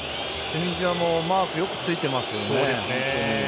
チュニジアもマークよくついてますよね。